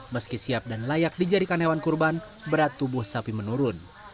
meski siap dan layak dijadikan hewan kurban berat tubuh sapi menurun